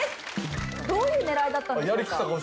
どういう狙いだったんでしょうか？